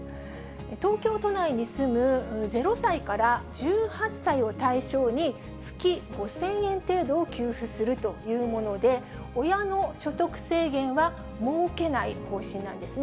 東京都内に住む０歳から１８歳を対象に、月５０００円程度を給付するというもので、親の所得制限は設けない方針なんですね。